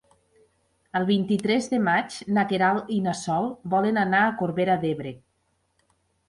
El vint-i-tres de maig na Queralt i na Sol volen anar a Corbera d'Ebre.